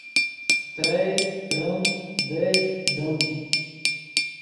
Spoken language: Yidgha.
ترئے، تریم، دئے، دیم،